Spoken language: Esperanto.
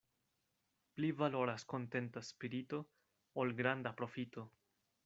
Pli valoras kontenta spirito, ol granda profito.